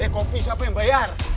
kopi siapa yang bayar